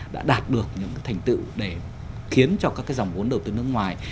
đã đạt được những cái thành tựu để khiến cho các cái dòng vốn đầu tư nước ngoài